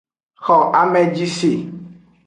Xo ameji se.